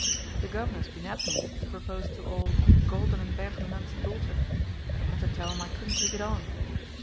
"The Governor's been at me to propose to old Goldenenbergenland's daughter, but I had to tell him I couldn't take it on."